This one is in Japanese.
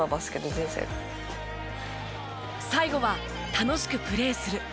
最後は楽しくプレーする。